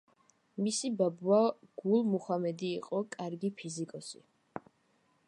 მისი ბაბუა გულ მუჰამედი იყო კარგი ფიზიკოსი.